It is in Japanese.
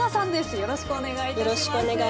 よろしくお願いします。